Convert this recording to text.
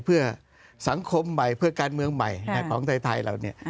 เพื่อสังคมใหม่เพื่อการเมืองใหม่ของไทยเราเนี่ย